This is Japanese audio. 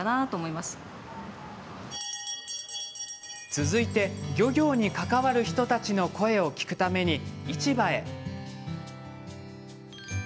続いて、漁業に関わる人たちの声を聞くために市場へ。